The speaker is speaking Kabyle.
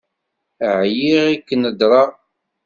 Ԑyiɣ i k-nedṛeɣ.